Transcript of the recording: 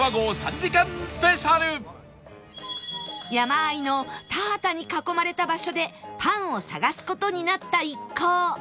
山あいの田畑に囲まれた場所でパンを探す事になった一行